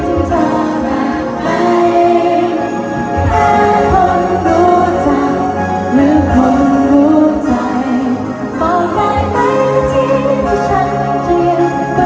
แค่สักคำให้ฉันแน่ใจแต่คิดถึงฉันแน่ใจ